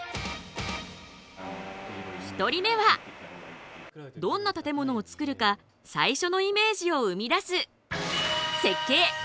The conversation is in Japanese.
１人目はどんな建物を作るか最初のイメージを生み出す設計梯